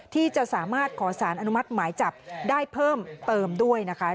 ที่จะสามารถขอสารอนุมัติหมายจับได้เพิ่มเติมด้วยนะคะ